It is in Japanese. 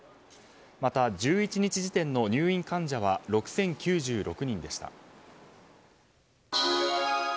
また、１１日時点の入院患者は６０９６人でした。